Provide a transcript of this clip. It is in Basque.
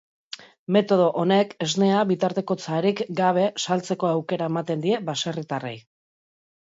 Metodo honek esnea bitartekotzarik gabe saltzeko aukera ematen die baserritarrei.